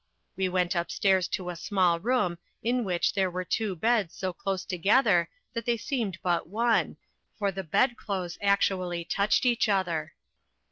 We went up stairs to a small room in which there were two beds so close together that they seemed but one, for the bed clothes actually touched each other.